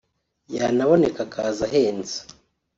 yanaboneka akaza ahenze